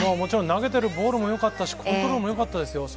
投げているボールもコントロールもよかったです。